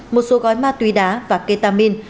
một số gói ma túy đá và ketamin